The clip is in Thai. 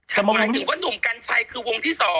หมายถึงว่าหนุ่มกัญชัยคือวงที่๒